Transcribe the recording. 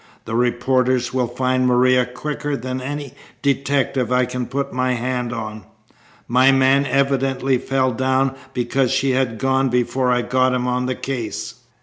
"The reporters will find Maria quicker than any detective I can put my hand on. My man evidently fell down because she had gone before I got him on the case."